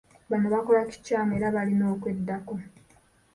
Bano bakola kikyamu era balina okweddako.